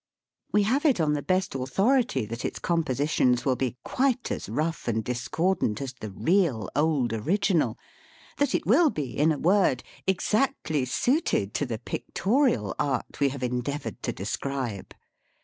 "We have it on the best authority, that its compositions will be quite as rough and discordant as the real old original — that it will be, in a word, exactly suited to the pic torial Art we have endeavoured to describe.